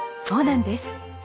そうなんです。